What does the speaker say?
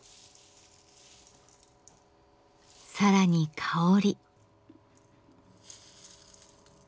更に香り。